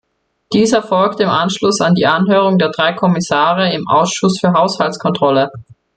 Dies erfolgte im Anschluss an die Anhörung der drei Kommissare im Ausschuss für Haushaltskontrolle.